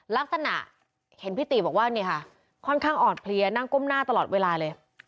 ลักษณะเห็นพี่ตีบอกว่านี่ค่ะค่อนข้างอ่อนเพลียนั่งก้มหน้าตลอดเวลาเลย